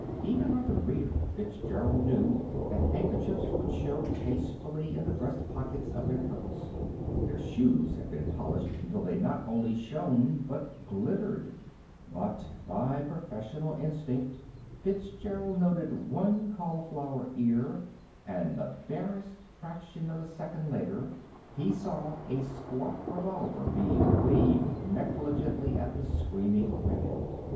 Even from the rear, Fitzgerald knew that handkerchiefs would show tastefully in the breast pockets of their coats. Their shoes had been polished until they not only shone, but glittered. But by professional instinct Fitzgerald noted one cauliflower ear, and the barest fraction of a second later he saw a squat revolver being waved negligently at the screaming women.